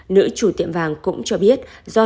nữ chủ tiệm vàng cũng cho biết do